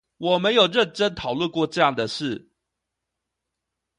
我們有認真討論過這樣的事